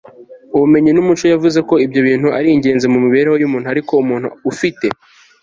ubumenyi n'umuco. yavuze ko ibyo bintu ari ingenzi mu mibereho y'umuntu ariko umuntu ufite